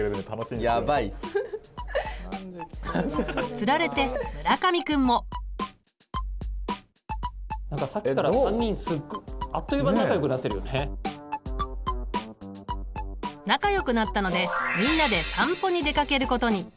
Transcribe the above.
つられて村上君も。何かさっきから３人仲良くなったのでみんなで散歩に出かけることに。